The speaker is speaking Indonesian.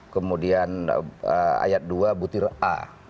kemudian ayat dua butir a